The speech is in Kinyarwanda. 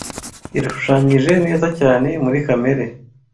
irashushanyije neza cyane muri kamere